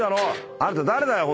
あなた誰だよ？